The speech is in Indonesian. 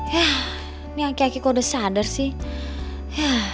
ini aki akiku udah sadar sih